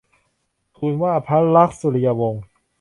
ทูลว่าพระลักษมณ์สุริยวงศ์